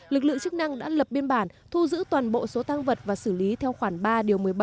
lực lượng chức năng đã lập biên bản thu giữ toàn bộ số tăng vật và xử lý theo khoản ba điều một mươi bảy